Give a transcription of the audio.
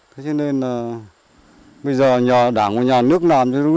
thế cho nên là bây giờ đảng của nhà nước làm cho nó cái khó khăn